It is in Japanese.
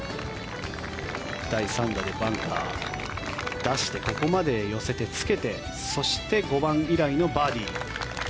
第３打でバンカー、出してここまで寄せて、つけてそして、５番以来のバーディー。